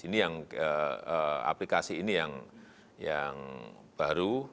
ini yang aplikasi ini yang baru